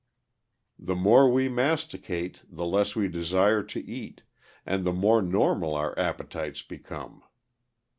The more we masticate the less we desire to eat, and the more normal our appetites become.